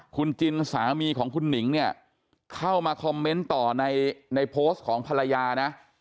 คุณจินสามีของคุณหนิงเนี่ยเข้ามาคอมเมนต์ต่อในโพสต์ของภรรยานะ